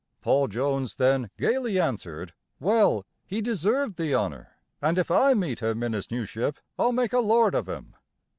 Paul Jones then gayly answered: "Well, he deserved the honor, and if I meet him in his new ship I'll make a lord of him."